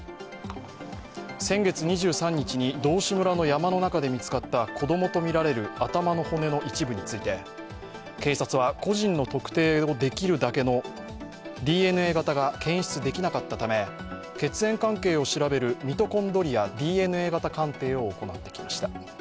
先月２３日に道志村の山の中で見つかった子供とみられる頭の骨の一部について警察は個人の特定をできるだけのＤＮＡ型が検出できなかったため血縁関係を調べるミトコンドリアＤＮＡ型鑑定を行ってきました。